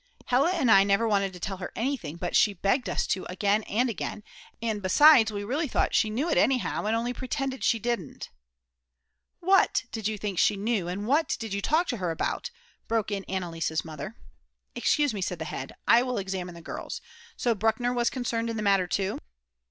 "Hella and I never wanted to tell her anything; but she begged us to again and again, and besides we thought she really knew it anyhow and only pretended she didn't." "What did you think she knew, and what did you talk to her about?" broke in Anneliese's mother. "Excuse me," said the head, "I will examine the girls; so Bruckner was concerned in the matter too?"